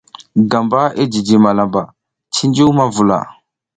Gamba i jiji malamba cuncu ma vula.